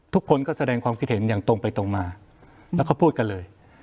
ทุกคนก็แสดงความคิดเห็นอย่างตรงไปตรงมาแล้วก็พูดกันเลย